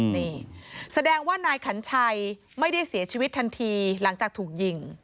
นี่แสดงว่านายขัญชัยไม่ได้เสียชีวิตทันทีหลังจากถูกยิง